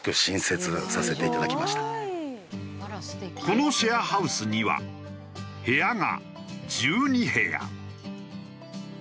このシェアハウスには部屋が１２部屋。